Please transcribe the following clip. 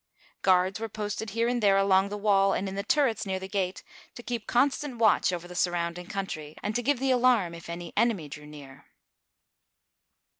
Guards were posted here and there along the wall and in the turrets near the gate, to keep constant watch over the surrounding country, and to give the alarm if any enemy drew near.